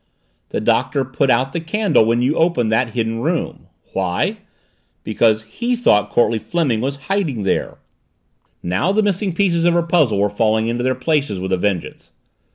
The Doctor put out the candle when you opened that Hidden Room. Why? Because he thought Courtleigh Fleming was hiding there!" Now the missing pieces of her puzzle were falling into their places with a vengeance.